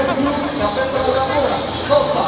kapten terang terangnya kosai